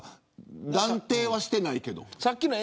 断定はしていないけど。